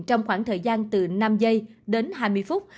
trong khoảng thời gian từ năm giây đến hai mươi phút